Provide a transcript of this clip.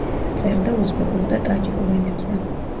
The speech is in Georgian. წერდა უზბეკურ და ტაჯიკურ ენებზე.